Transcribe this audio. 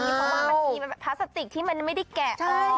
เพราะว่ามันมีพลาสติกที่มันไม่ได้แกะ